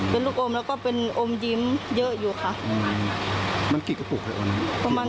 เป็นลูกอมแล้วก็เป็นอมยิ้มเยอะอยู่ค่ะมันกี่กระปุกเลยตอนนั้นประมาณ